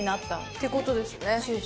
てことですよね。